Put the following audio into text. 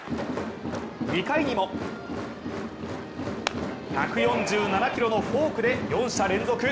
２回にも１４７キロのフォークで４者連続。